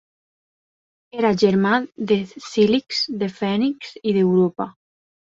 Era germà de Cílix, de Fènix i d'Europa.